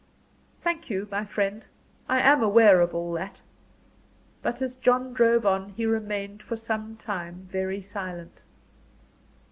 "Thank you, my friend. I am aware of all that." But as John drove on, he remained for some time very silent.